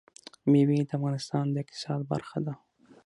مېوې د افغانستان د اقتصاد برخه ده.